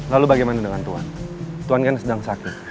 lalu bagaimana dengan tuhan tuhan kan sedang sakit